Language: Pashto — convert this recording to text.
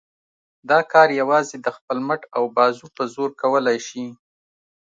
دا کار یوازې د خپل مټ او بازو په زور کولای شي.